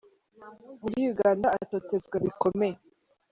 muri Uganda atotezwa bikomeye.